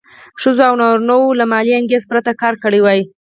ښځو او نارینه وو له مالي انګېزې پرته کار کړی وای.